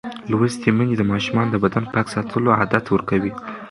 لوستې میندې د ماشومانو د بدن پاک ساتلو عادت ورکوي.